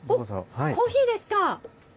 コーヒーですか。